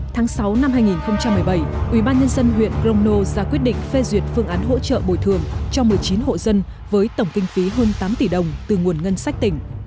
tháng sáu năm hai nghìn một mươi bảy ubnd huyện crono ra quyết định phê duyệt phương án hỗ trợ bồi thường cho một mươi chín hộ dân với tổng kinh phí hơn tám tỷ đồng từ nguồn ngân sách tỉnh